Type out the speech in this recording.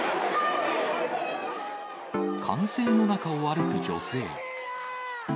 歓声の中を歩く女性。